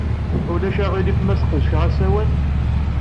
Ulac aɣilif ma sqedceɣ asawal?